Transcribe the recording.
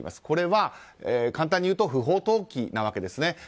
これは、簡単に言うと不法投棄なわけですね。